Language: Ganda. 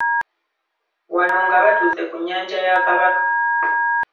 Wano nga batuuse ku nnyanja ya Kabaka.